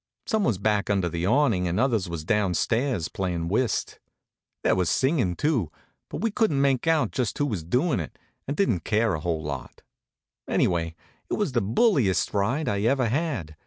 Some was back under the awnin' and others was down stairs, playin' whist. There was singin' too, but we couldn't make out just who was doin' it, and didn't care a whole lot. Anyway, it was the bulliest ride I ever had.